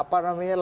atau akan dituruti